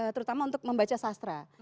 terutama untuk membaca sastra